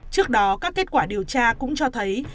trước đó các kết quả điều tra cũng cho thấy